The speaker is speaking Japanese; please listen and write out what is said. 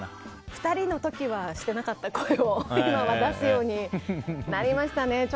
２人の時はしていなかった声を今は出すようになりました。